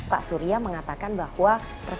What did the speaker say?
pak surya mengatakan bahwa